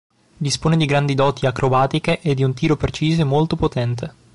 Dispone di grandi doti acrobatiche e di un tiro preciso e molto potente.